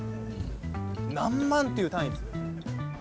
何万という単位です。